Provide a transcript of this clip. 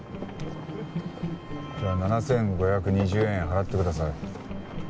じゃあ７５２０円払ってください。